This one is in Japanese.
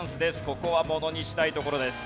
ここはものにしたいところです。